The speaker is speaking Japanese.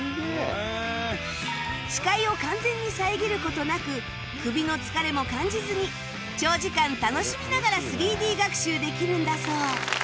視界を完全に遮る事なく首の疲れも感じずに長時間楽しみながら ３Ｄ 学習できるんだそう